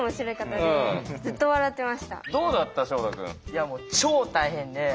いやもう超大変で。